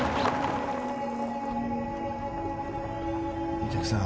お客さん。